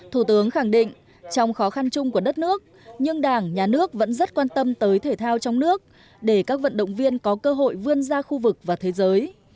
thủ tướng khẳng định trong khó khăn chung của đất nước nhưng đảng nhà nước vẫn rất quan tâm tới thể thao trong nước để các vận động viên có cơ hội vươn ra khu vực và thế giới